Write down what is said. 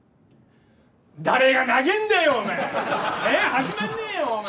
始まんねえよお前。